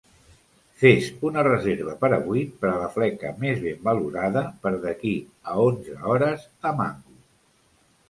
Fes una reserva per a vuit per a la fleca més ben valorada per d'aquí a onze hores a Mango